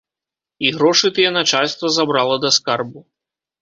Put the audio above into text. І грошы тыя начальства забрала да скарбу.